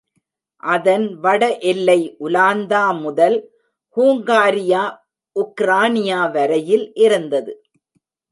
அதன் வடஎல்லை உலாந்தா முதல் ஹுங்காரியா உக்ரானியா வரையில் இருந்தது.